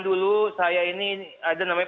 dulu saya ini ada namanya